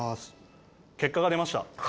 結果が出ました。